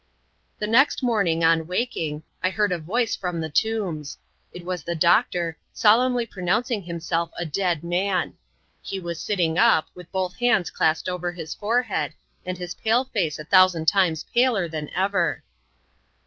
The next morning, on waking, I heard a voice from the tombs. It was the doctor, solemnly pronoxmcing himself a dead man. He was sitting up, with both hands clasped over his forehead, and his pale face a thousand times paler than ever.